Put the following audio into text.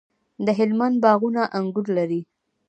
د هلمند باغونه انګور لري.